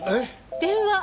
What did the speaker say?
電話！